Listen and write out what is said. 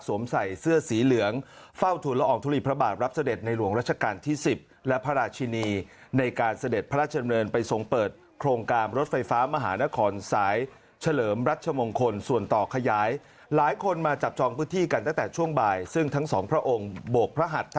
สวมใส่เสื้อสีเหลืองเฝ้าถุลออก